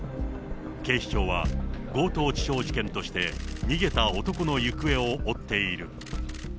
警視庁は強盗致傷事件として、逃げた男の行方を追っている。